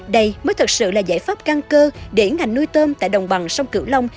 đây mới thực sự là giải pháp căn cơ để ngành nuôi tôm tại đồng bằng sông cửu long